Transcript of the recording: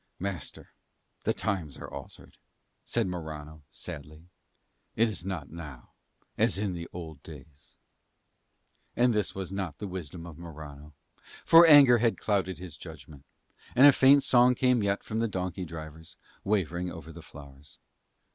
"Master, the times are altered," said Morano sadly. "It is not now as in old days." And this was not the wisdom of Morano, for anger had clouded his judgment. And a faint song came yet from the donkey drivers, wavering over the flowers.